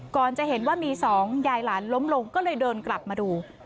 จะเห็นว่ามีสองยายหลานล้มลงก็เลยเดินกลับมาดู